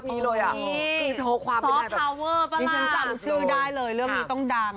นี่ฉันจังชื่อได้เลยเรื่องนี้ต้องดัง